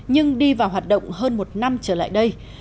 nhưng đi vào hoạt động hơn một năm trở lại đây